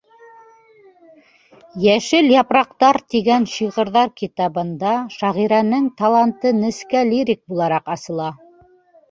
«Йәшел япраҡтар» тигән шиғырҙар китабында шағирәнең таланты нескә лирик булараҡ асыла.